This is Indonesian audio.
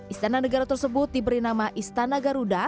istana negara tersebut diberi nama istana garuda